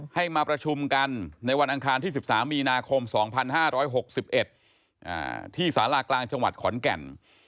ให้มาประชุมกันในวันอังคารที่๑๓มีนาคม๒๕๖๑ที่สารากลางจังหวัดขอนแก่น